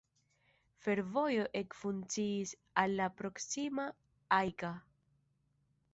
Fervojo ekfunkciis al la proksima Ajka.